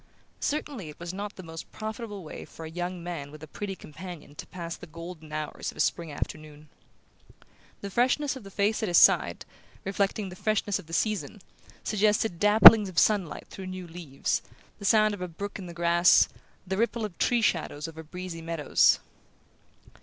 Certainly it was not the most profitable way for a young man with a pretty companion to pass the golden hours of a spring afternoon. The freshness of the face at his side, reflecting the freshness of the season, suggested dapplings of sunlight through new leaves, the sound of a brook in the grass, the ripple of tree shadows over breezy meadows...